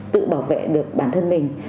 tự bảo vệ được bản thân mình